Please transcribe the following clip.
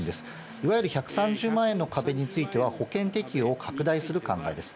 いわゆる１３０万円の壁については、保険適用を拡大する考えです。